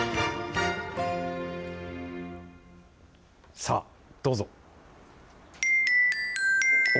さあ、どうぞ。